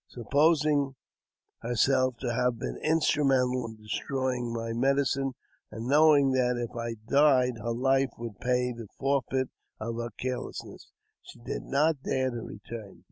Supposing herself to have been instrumental in destroying my medicine, and know ing that, if I died, her life would pay the forfeit of her carelessness, she did not dare to return.